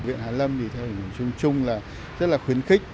viện hà lâm thì theo hình chung chung là rất là khuyến khích